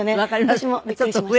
私もびっくりしました。